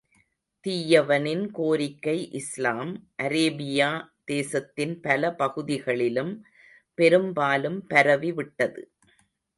தீயவனின் கோரிக்கை இஸ்லாம், அரேபியா தேசத்தின் பல பகுதிகளிலும் பெரும்பாலும் பரவி விட்டது.